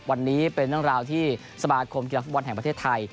วันนี้เป็นเรื่องราวที่สมาคมกีฬาฟุตบอลแห่งประเทศไทย